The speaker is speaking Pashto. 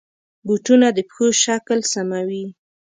بوټونه د پښو شکل سموي.